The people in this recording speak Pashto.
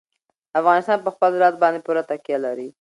افغانستان په خپل زراعت باندې پوره تکیه لري.